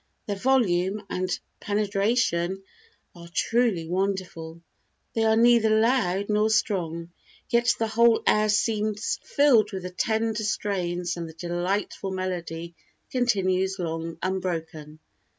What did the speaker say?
Their volume and penetration are truly wonderful. They are neither loud nor strong, yet the whole air seems filled with the tender strains and the delightful melody continues long unbroken.